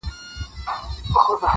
ته یې ګاږه زموږ لپاره خدای عادل دی-